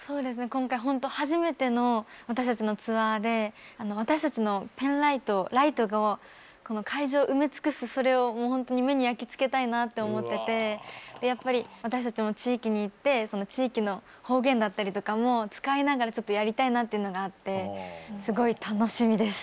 今回ほんと初めての私たちのツアーであの私たちのペンライトライトがこの会場を埋め尽くすそれをもうほんとに目に焼き付けたいなって思っててやっぱり私たちも地域に行ってその地域の方言だったりとかも使いながらちょっとやりたいなっていうのがあってすごい楽しみです。